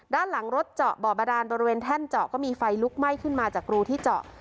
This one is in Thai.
ด้านหลังรถเจาะบ่อบาดานบริเวณแท่นเจาะก็มีไฟลุกไหม้ขึ้นมาจากรูที่เจาะ